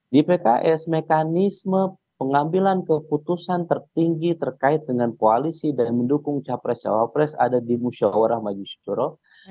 di pks mekanisme pengambilan keputusan tertinggi terkait dengan koalisi dan mendukung capres cawapres ada di musyawarah majisyukur